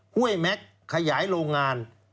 ้วยแม็กซ์ขยายโรงงาน